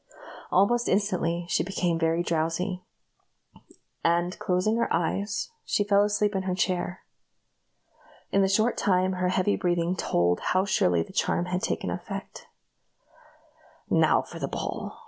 Almost instantly she became very drowsy, and, closing her eyes, she fell asleep in her chair. In a short time her heavy breathing told how surely the charm had taken effect. "Now for the ball!"